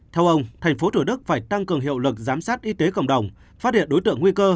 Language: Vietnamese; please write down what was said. theo ông thành phố thủ đức phải tăng cường hiệu lực giám sát y tế cộng đồng phát hiện đối tượng nguy cơ